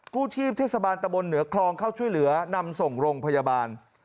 กู้ชีพเทศบาลตะบนเหนือคลองเข้าช่วยเหลือนำส่งโรงพยาบาล